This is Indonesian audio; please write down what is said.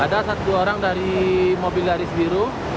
ada satu dua orang dari mobil garis biru